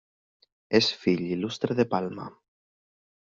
És fill il·lustre de Palma.